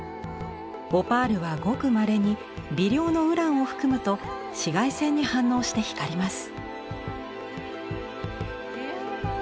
オパールはごくまれに微量のウランを含むと紫外線に反応して光ります。